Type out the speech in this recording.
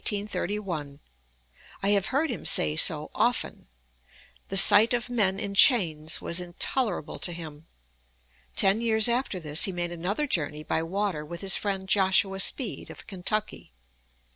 I have heard him say so often." The sight of men in chains was intolerable to him. Ten years after this he made another journey by water with his friend Joshua Speed, of Kentucky.